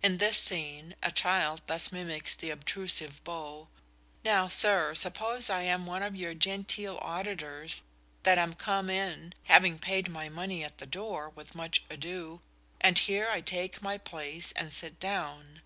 In this scene a child thus mimics the obtrusive beau: "Now, sir, suppose I am one of your genteel auditors, that am come in (having paid my money at the door, with much ado), and here I take my place, and sit downe.